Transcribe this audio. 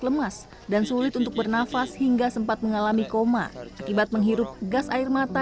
lemas dan sulit untuk bernafas hingga sempat mengalami koma akibat menghirup gas air mata